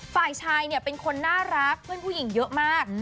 ฝ่ายชายเนี่ยเป็นคนน่ารักเพื่อนผู้หญิงเยอะมาก